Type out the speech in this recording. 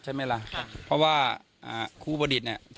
จะเมืองการยังไงอะไรอย่างนี้ครับ